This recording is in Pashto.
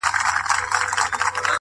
خورې ورې پرتې وي _